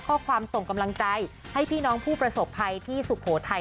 ส่งกำลังใจให้พี่น้องผู้ประสบภัยที่สุโขทัย